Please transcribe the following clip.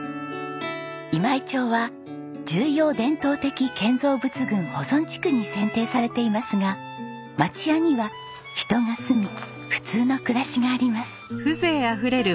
今井町は重要伝統的建造物群保存地区に選定されていますが町家には人が住み普通の暮らしがあります。